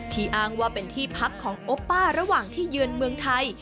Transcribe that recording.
อ้างว่าเป็นที่พักของโอป้าระหว่างที่เยือนเมืองไทย